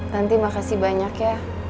tanti makasih banyak ya